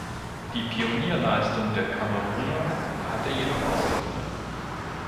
Die Pionierleistung der Kameruner hatte jedoch Auswirkungen.